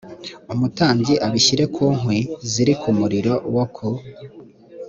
umutambyi abishyire ku nkwi ziri ku muriro wo ku